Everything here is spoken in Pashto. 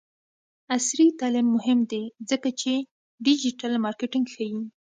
عصري تعلیم مهم دی ځکه چې د ډیجیټل مارکیټینګ ښيي.